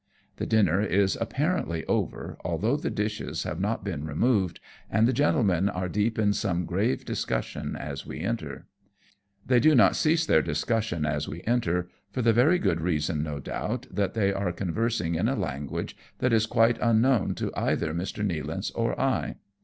The dinner is apparently over, although the dishes have not been removed, and the gentlemen are deep in some grave discussion as we enter. They do not cease their discussion as we enter, for the very good reason, no doubt, that they are conversing in a language that is quite unknown to either Mr. Nealance or I.